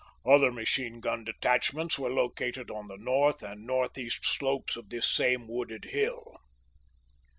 Other machine gun detachments were located on the north and northeast slopes of this same wooded hill.